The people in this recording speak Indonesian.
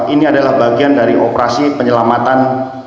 ini adalah bagian dari operasi penyelamatan